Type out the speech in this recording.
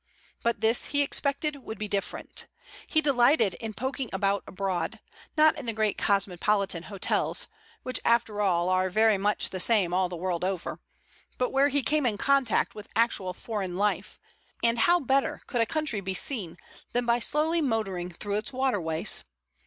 But this, he expected, would be different. He delighted in poking about abroad, not in the great cosmopolitan hotels, which after all are very much the same all the world over, but where he came in contact with actual foreign life. And how better could a country be seen than by slowly motoring through its waterways?